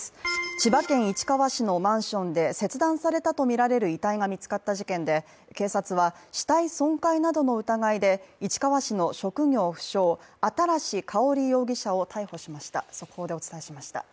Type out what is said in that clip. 千葉県市川市のマンションで切断されたとみられる遺体が見つかった事件で警察は、死体損壊などの疑いで市川市の職業不詳、新かほり容疑者を逮捕しました。